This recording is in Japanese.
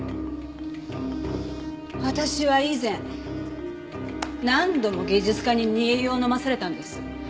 私は以前何度も芸術家に煮え湯を飲まされたんです。